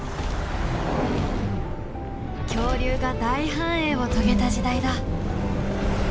恐竜が大繁栄を遂げた時代だ。